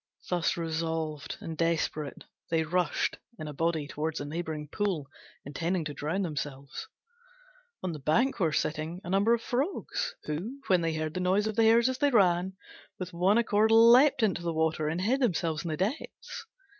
Thus resolved and desperate, they rushed in a body towards a neighbouring pool, intending to drown themselves. On the bank were sitting a number of Frogs, who, when they heard the noise of the Hares as they ran, with one accord leaped into the water and hid themselves in the depths.